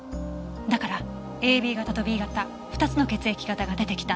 だからＡＢ型とＢ型２つの血液型が出てきたんです。